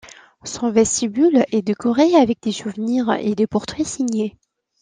Son vestibule est décoré avec des souvenirs et des portraits signés.